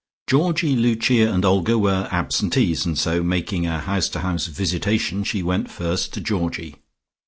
Georgie, Lucia and Olga were absentees, and so, making a house to house visitation she went first to Georgie.